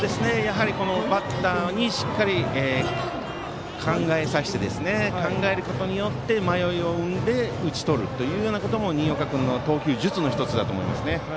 バッターにしっかり考えさせて考えることによって迷いを生んで打ち取るというようなことも新岡君の投球術の１つだと思います。